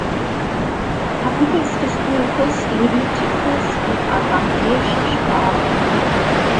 Kapitels des Buches Leviticus in aramäischer Sprache.